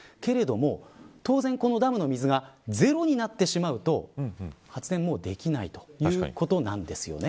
けれども当然このダムの水がゼロになってしまうと発電はもうできないということなんです。